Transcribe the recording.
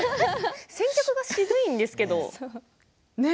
選曲が渋いんですけど。